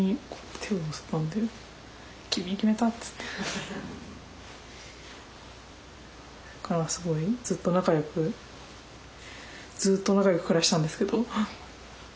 それからすごいずっと仲よくずっと仲よく暮らしてたんですけど。